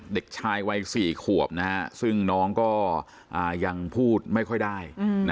เด็กชายวัย๔ขวบซึ่งน้องก็ยังพูดไม่ค่อยได้